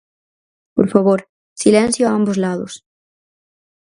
Por favor, silencio a ambos lados.